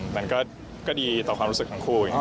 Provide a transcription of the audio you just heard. มันก็ดีต่อความรู้สึกทั้งคู่